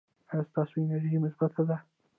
ایا ستاسو انرژي مثبت ده؟